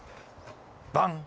バン！